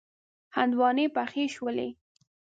هندواڼی پخې شولې.